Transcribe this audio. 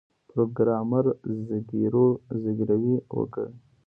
پروګرامر زګیروی وکړ